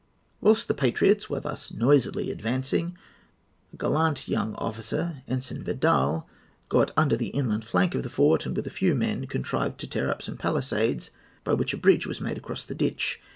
"Whilst the patriots were thus noisily advancing, a gallant young officer, Ensign Vidal, got under the inland flank of the fort, and, with a few men, contrived to tear up some pallisades, by which a bridge was made across the ditch.